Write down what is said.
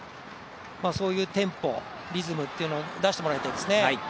そういうテンポ、リズムっていうのを出してもらいたいですね。